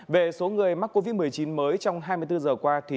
về số người mắc covid một mươi chín mới trong hai mươi bốn giờ qua